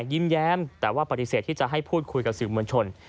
ยิ้มแย้มแต่ว่าปฏิเสธที่จะให้พูดคุยกับสื่อมวลชน